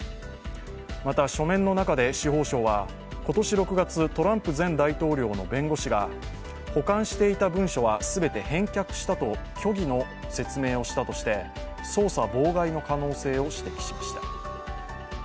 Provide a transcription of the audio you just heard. また、書面の中で司法省は今年６月、トランプ前大統領の弁護士が、保管していた文書は全て返却したと虚偽の説明をしたとして捜査妨害の可能性を指摘しました。